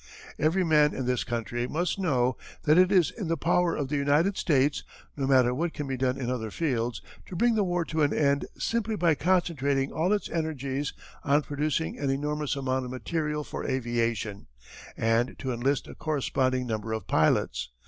"Every man in this country must know that it is in the power of the United States, no matter what can be done in other fields, to bring the war to an end simply by concentrating all its energies on producing an enormous amount of material for aviation, and to enlist a corresponding number of pilots.